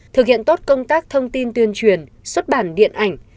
thực hiện tốt công tác thông tin tuyên truyền xuất bản điện ảnh